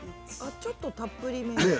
ちょっと、たっぷりめ。